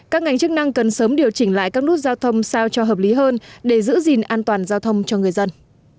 các ngành chức năng cần sớm điều chỉnh lại các nút giao thông sao cho hợp lý hơn để giữ gìn an toàn giao thông cho người dân